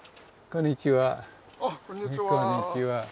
こんにちは。